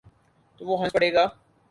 تو وہ ہنس پڑے گا۔